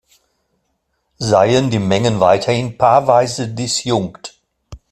Seien die Mengen weiterhin paarweise disjunkt.